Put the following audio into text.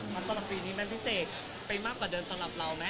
ตอนปล่อยปีนี้มันพิเศษไปมากกว่าเดินสำหรับเรามั้ย